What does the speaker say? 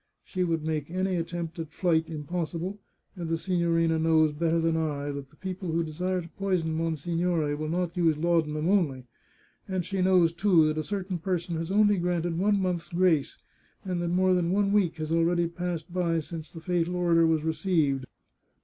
She would make any attempt at flight impossible, and the signorina knows, better than I, that the people who desire to poison Monsignore will not use laudanum only, and she knows, too, that a certain person has only granted one month's grace, and that more than one week has already passed by since the fatal order was received.